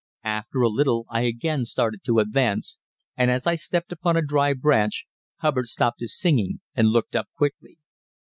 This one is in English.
After a little I again started to advance, and as I stepped upon a dry branch Hubbard stopped his singing and looked up quickly.